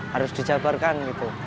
harus dijadwalkan gitu